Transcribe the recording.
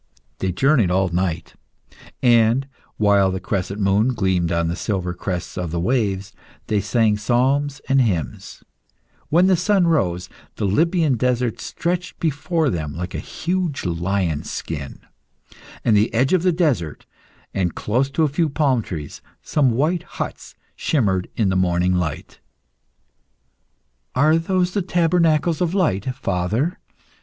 They journeyed all night, and, while the crescent moon gleamed on the silver crests of the waves, they sang psalms and hymns. When the sun rose, the Libyan desert stretched before them like a huge lion skin. At the edge of the desert, and close to a few palm trees, some white huts shimmered in the morning light. "Are those the tabernacles of Light, father?"